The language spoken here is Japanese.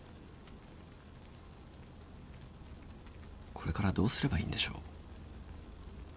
これからどうすればいいんでしょう。